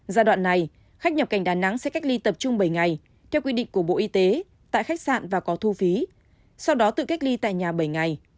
giai đoạn này khách nhập cảnh đà nẵng sẽ cách ly tập trung bảy ngày theo quy định của bộ y tế tại khách sạn và có thu phí sau đó tự cách ly tại nhà bảy ngày